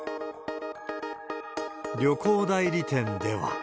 旅行代理店では。